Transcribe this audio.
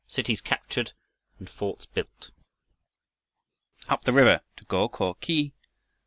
CITIES CAPTURED AND FORTS BUILT Up the river to Go ko khi!